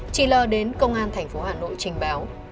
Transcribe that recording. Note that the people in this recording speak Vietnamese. chị lò đến công an thành phố hà nội trình báo